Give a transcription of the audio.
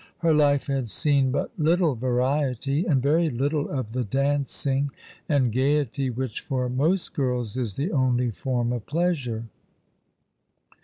Her life had seen but little variety, and very little of the dancing and gaiety which for most gii ls is the only form of pleasure.